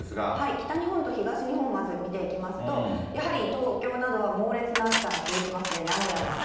北日本と東日本、まず見ていきますと、やはり東京などは猛烈な暑さが続きますね。